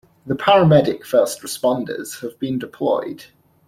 The paramedic first responders have been deployed.